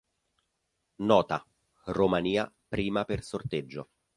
Nota: Romania prima per sorteggio.